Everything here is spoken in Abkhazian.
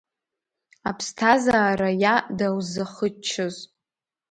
Аԥсҭазаара иа даузахыччоз…